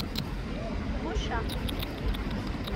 Ɣucceɣ-k.